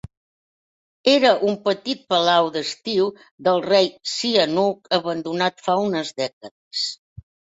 Era un petit palau d'estiu del rei Sihanouk, abandonat fa unes dècades.